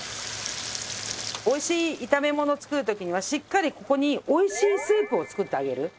おいしい炒めもの作る時にはしっかりここにおいしいスープを作ってあげる。